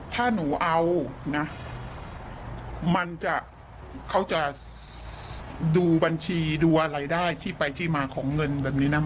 ถ้าหนูเอานะมันจะเขาจะดูบัญชีดูอะไรได้ที่ไปที่มาของเงินแบบนี้นะ